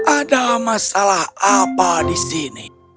ada masalah apa di sini